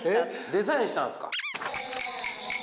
デザインしたんですか？